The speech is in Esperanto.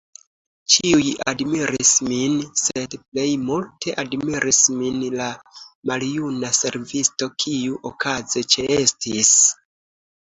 Ĉiuj admiris min, sed plej multe admiris min la maljuna servisto, kiu okaze ĉeestis.